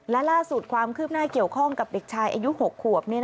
และล่าสุดความคืบหน้าเกี่ยวข้องกับเด็กชายอายุ๖ขวบ